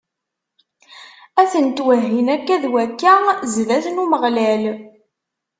A tent-wehhin akka d wakka zdat n Umeɣlal.